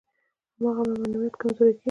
هماغومره معنویت کمزوری کېږي.